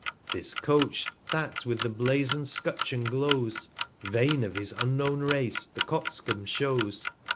This Coach, that with the blazon 'd 'Scutcheon glows, 455 Vain of his unknown Race, the Coxcomb shows.